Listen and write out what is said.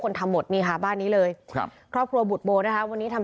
ทำหมดนี่ค่ะบ้านนี้เลยครับครอบครัวบุตรโบนะคะวันนี้ทำ